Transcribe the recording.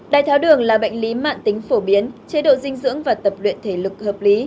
đai tháo đường là bệnh lý mạng tính phổ biến chế độ dinh dưỡng và tập luyện thể lực hợp lý